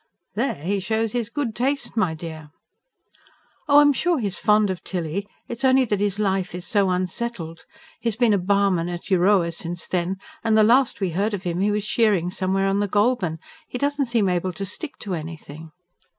"There he shows his good taste, my dear." "Oh, I'm sure he's fond of Tilly. It's only that his life is so unsettled. He's been a barman at Euroa since then; and the last we heard of him, he was shearing somewhere on the Goulburn. He doesn't seem able to stick to anything."